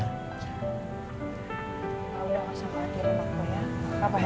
pak uang masalah diri pak pak ya